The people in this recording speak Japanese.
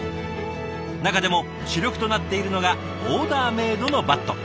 中でも主力となっているのがオーダーメイドのバット。